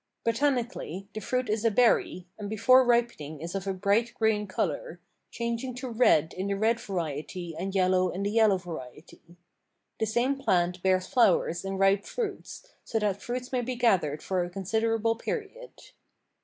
Botanically, the fruit is a berry, and before ripening is of a bright green color, changing to red in the red variety and to yellow in the yellow variety. The same plant bears flowers and ripe fruits, so that fruits may be gathered for a considerable period.